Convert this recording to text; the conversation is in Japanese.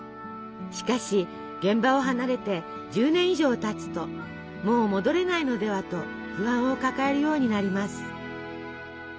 しかし現場を離れて１０年以上たつともう戻れないのではと不安を抱えるようになります。